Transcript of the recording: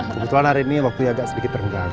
kebetulan hari ini waktunya agak sedikit renggang